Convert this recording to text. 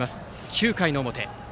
９回の表。